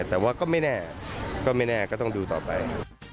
แต่ว่าก็ไม่แน่ก็ไม่แน่ก็ต้องดูต่อไป